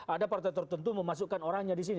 ada partai tertentu memasukkan orangnya disini